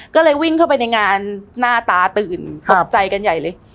ก็เลยวิ่งเข้าไปในงานหน้าตาตื่นตกใจกันใหญ่เลย